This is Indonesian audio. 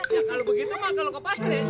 ya kalau begitu mah kalau ke pasar ya nyol